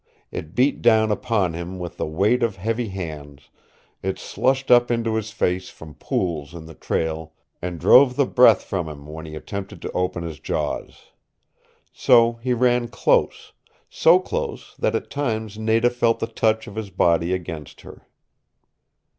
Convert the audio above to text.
It beat down upon him with the weight of heavy hands, it slushed up into his face from pools in the trail and drove the breath from him when he attempted to open his jaws. So he ran close so close that at times Nada felt the touch of his body against her.